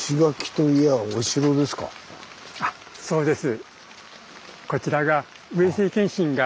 あっそうです。